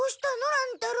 乱太郎。